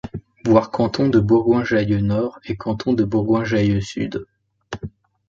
Voir Canton de Bourgoin-Jallieu-Nord et Canton de Bourgoin-Jallieu-Sud.